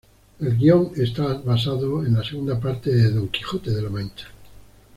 El guion está basado en la segunda parte de "Don Quijote de la Mancha".